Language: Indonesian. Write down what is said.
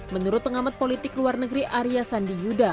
menurut pengamat politik luar negeri arya sandi yuda